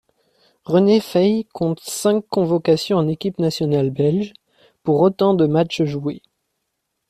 René Feye compte cinq convocations en équipe nationale belge, pour autant de matches joués.